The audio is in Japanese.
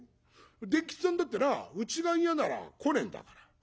伝吉っつぁんだってなうちが嫌なら来ねえんだから。